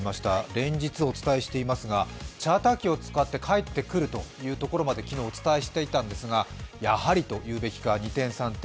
連日お伝えしていますがチャーター機を使って帰ってくるというところまで昨日、お伝えしていたんですがやはりというべきか、二転三転